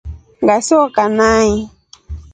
Ngashoka nai.